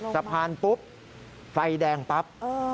สะพานปุ๊บไฟแดงปั๊บ